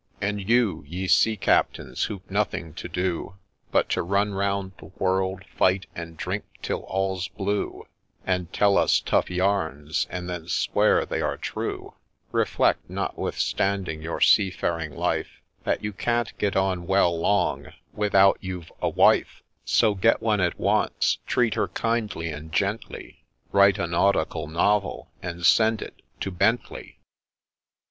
' And you, ye Sea Captains ! who've nothing to do But to run round the world, fight, and drink till all 's blue, And tell us tough yarns, and then swear they are true, Reflect, notwithstanding your seafaring life, That you can't get on well long, without you've a wife ; So get one at once, treat her kindly and gently, Write a nautical novel, — and send it to Bentley